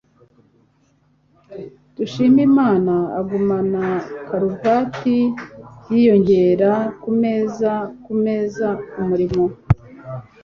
Dushimimana agumana karuvati yinyongera kumeza kumeza kumurimo.